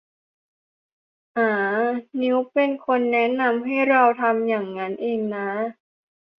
อ๋า นิ้วเป็นคนแนะนำให้เราทำงั้นเองน้า